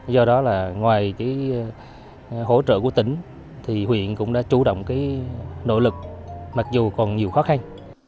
do đó là ngoài hỗ trợ của tỉnh thì huyện cũng đã chủ động nỗ lực mặc dù còn nhiều khó khăn